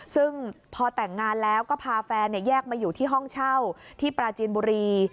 ซึ่งพอแต่งงานแล้วก็พาแฟนแยกมาอยู่ที่ห้องเช่าที่ปราจีนบุรี